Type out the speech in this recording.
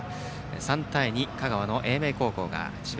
３対２、香川の英明高校が智弁